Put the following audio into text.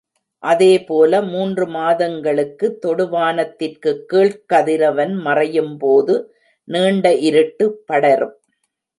அதே போல மூன்று மாதங்களுக்கு தொடுவானத்திற்குக் கீழ்க் கதிரவன் மறையும் போது நீண்ட இருட்டு படரும்.